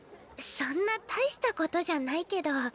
そんな大したことじゃないけど。